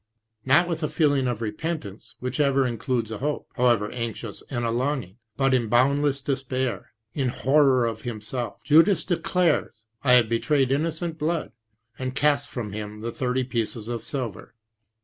Not with a feeling of repentance, which ever includes a hope, however anxious, and a longing, but in boundless despair, in horror of himself, Judas declares, " I have betrayed innocent blood," and casts from him the thirty pieces of silver.